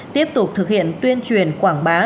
tiếp tục thực hiện tuyên truyền quảng bá